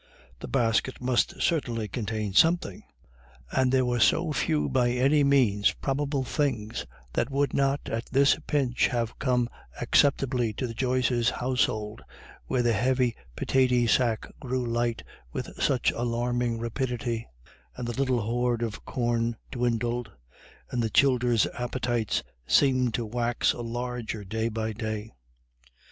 The basket must certainly contain something, and there were so few by any means probable things that would not at this pinch have come acceptably to the Joyces' household, where the heavy pitaty sack grew light with such alarming rapidity, and the little hoard of corn dwindled, and the childer's appetites seemed to wax larger day by day.